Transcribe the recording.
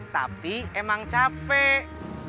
tapi emang capek